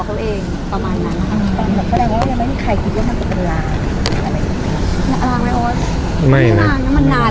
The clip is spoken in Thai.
ภาษาสนิทยาลัยสุดท้าย